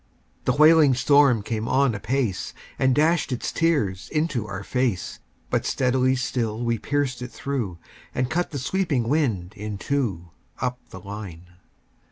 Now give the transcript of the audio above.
The wailing storm came on apace, And dashed its tears into our fade; But steadily still we pierced it through, And cut the sweeping wind in two, Up the line.